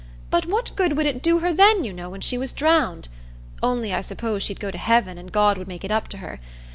But what good would it do her then, you know, when she was drowned? Only, I suppose, she'd go to heaven, and God would make it up to her.